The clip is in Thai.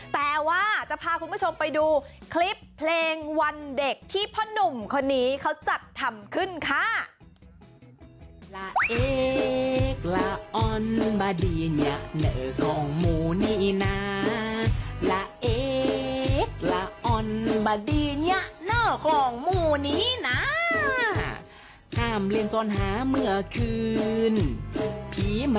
แต่ว่าจะพาคุณผู้ชมไปดูคลิปเพลงวันเด็กที่พ่อหนุ่มคนนี้เขาจัดทำขึ้นค่ะ